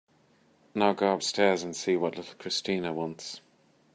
Now go upstairs and see what little Christina wants.